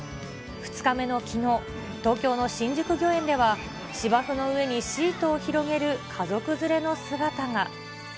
２日目のきのう、東京の新宿御苑では、芝生の上にシートを広げる家族連れの姿が。